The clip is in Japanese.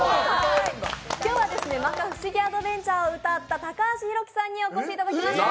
今日は「摩訶不思議アドベンチャー！」を歌った高橋洋樹さんにお越しいただきました。